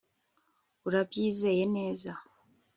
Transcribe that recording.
Urabyizeye neza